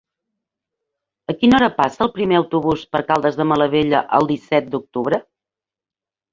A quina hora passa el primer autobús per Caldes de Malavella el disset d'octubre?